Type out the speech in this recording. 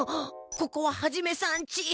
ここはハジメさんち！